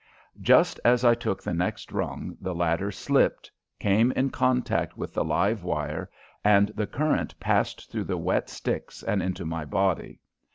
Just as I took the next rung the ladder slipped, came in contact with the live wire, and the current passed through the wet sticks and into my body.